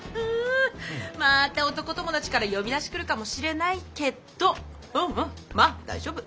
また男友達から呼び出し来るかもしれないけどうんうんまあ大丈夫。